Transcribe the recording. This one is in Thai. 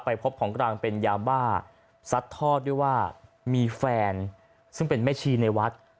พบของกลางเป็นยาบ้าซัดทอดด้วยว่ามีแฟนซึ่งเป็นแม่ชีในวัด